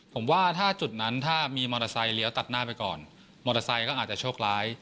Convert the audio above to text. ผมว่าถ้าจุดนั้นถ้ามีมอเตอร์ไซค์เลี้ยวตัดหน้าไปก่อนมอเตอร์ไซค์ก็อาจจะโชคร้าย